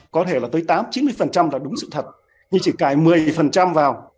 có thể là tới tám chín mươi là đúng sự thật nhưng chỉ cài một mươi vào